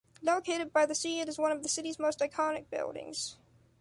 Located by the sea, it is one of the city’s most iconic buildings.